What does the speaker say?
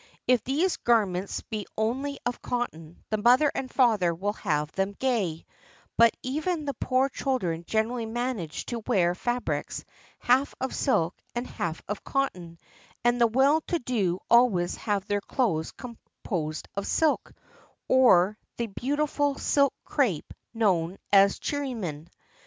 If these garments be only of cotton, the mother and father will have them gay; but even the poor children generally manage to wear fabrics half of silk, and half of cotton, and the well to do always have their clothes composed of silk, or the beauti ful silk crape known as chirimen.